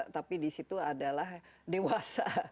tapi disitu adalah dewasa